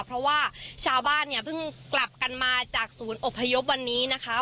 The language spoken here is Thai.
เพราะว่าชาวบ้านเนี่ยเพิ่งกลับกันมาจากศูนย์อบพยพวันนี้นะคะ